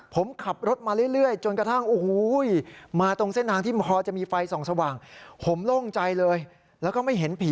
ผมขับรถมาเรื่อยจนกระทั่งโอ้โห